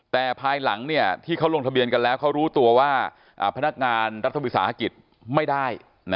แต่ภายหลังที่เขาลงทะเบียนกันแล้วเขารู้ตัวว่าพนักงานรัฐวิสาหกิจไม่ได้